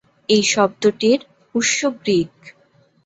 এই শব্দটির উৎস গ্রিক।